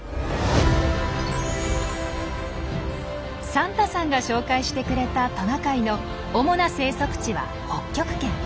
サンタさんが紹介してくれたトナカイの主な生息地は北極圏。